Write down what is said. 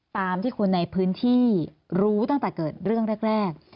ตามที่คนในพื้นที่รู้ตั้งแต่เกิดเรื่องแรก